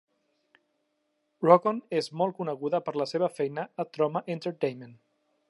Rochon és molt coneguda per la seva feina amb Troma Entertainment.